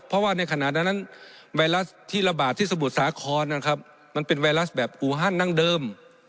เพราะว่าในขณะนั้นไวรัสที่ระบาดที่สมุทรสาครนะครับมันเป็นไวรัสแบบอูฮันดั้งเดิม